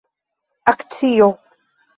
akcio